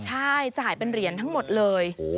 ใช่จ่ายเป็นเหรียญทั้งหมดเลย